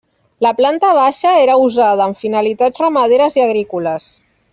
La planta baixa era usada amb finalitats ramaderes i agrícoles.